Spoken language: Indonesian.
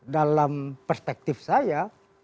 dalam perspektif saya